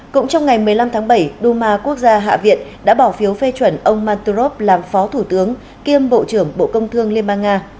cũng trong ngày một mươi năm tháng bảy đu ma quốc gia hạ viện đã bỏ phiếu phê chuẩn ông mantorov làm phó thủ tướng kiêm bộ trưởng bộ công thương liên bang nga